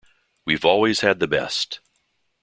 We've always had the best.